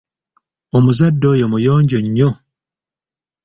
Omuzadde oyo muyonjo nnyo.